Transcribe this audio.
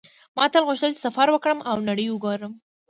ما تل غوښتل چې سفر وکړم او نړۍ وګورم